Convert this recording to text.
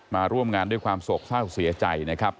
มาร่วมงานด้วยความโศกเศร้าเสียใจนะครับ